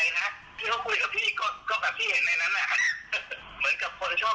พี่ชมภูกก็บอกว่าจริงน้องก็ไม่น่าจะเป็นคนมีพิษมีภัยนะเดี๋ยวไปฟังเสียงพี่ชมภูกันจ้า